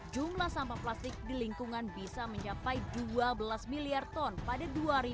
jumlah sampah plastik di lingkungan bisa mencapai dua belas miliar ton pada dua ribu dua puluh